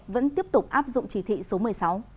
vẫn tiếp tục áp dụng chỉ thị số một mươi sáu